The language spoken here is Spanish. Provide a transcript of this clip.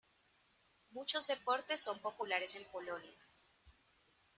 Muchos deportes son populares en Polonia.